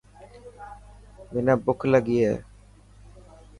منا بک لگي هي.